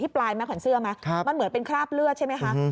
ปลายไหมขวัญเสื้อไหมมันเหมือนเป็นคราบเลือดใช่ไหมคะ